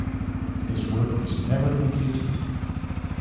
This work was never completed.